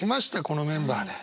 このメンバーで。